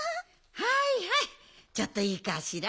はいはいちょっといいかしら。